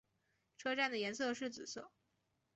车站颜色是紫色。